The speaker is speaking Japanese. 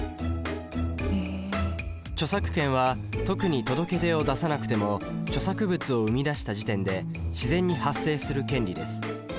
著作権は特に届け出を出さなくても著作物を生み出した時点で自然に発生する権利です。